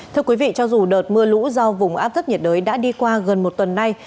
thưa quý vị cho dù đợt mưa lũ do vùng áp thấp nhiệt đới đã đi qua gần một tuần nay